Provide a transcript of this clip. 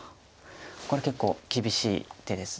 これ結構厳しい手です。